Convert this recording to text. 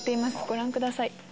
ご覧ください。